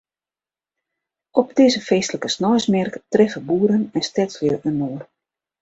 Op dizze feestlike sneinsmerk treffe boeren en stedslju inoar.